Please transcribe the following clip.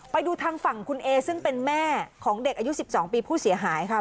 ไปดูทางฝั่งคุณเอซึ่งเป็นแม่ของเด็กอายุ๑๒ปีผู้เสียหายค่ะ